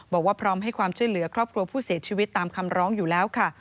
บอกว่าพร้อมให้ความช่วยเหลือครอบครัวผู้เสียชีวิตตามคำร้องอยู่แล้วค่ะ